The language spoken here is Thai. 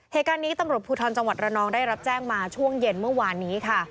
เหตุการณ์นี้ตำรวจภูทรจังหวัดระนองได้รับแจ้งมาช่วงเย็นเมื่อวานนี้ค่ะ